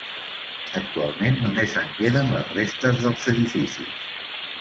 Actualment només en queden les restes dels edificis.